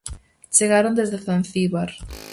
Chegaron desde Zanzíbar.